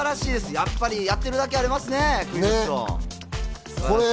やっぱりやってるだけありますね、クイズッスを。